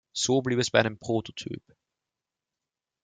So blieb es bei einem Prototyp.